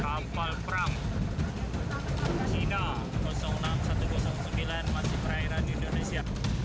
kampal perang china enam satu ratus sembilan masih perairan indonesia